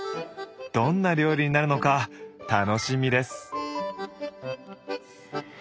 どんな料理になるのか楽しみです。